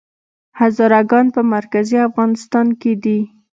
هزاره ګان په مرکزي افغانستان کې دي؟